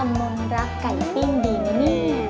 มองรักไก่ปิ้งดีนิ่ง